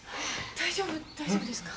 大丈夫大丈夫ですか？